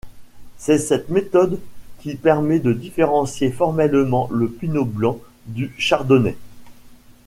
C'est cette méthode qui permet de différencier formellement le pinot blanc du chardonnay.